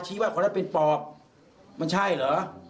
ชี้ว่าขอได้เป็นปอกมันใช่เหรอ